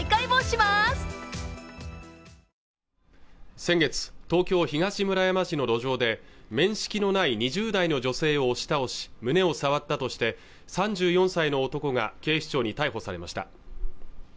先月、東京東村山市の路上で面識のない２０代の女性を押し倒し胸を触ったとして３４歳の男が警視庁に逮捕されました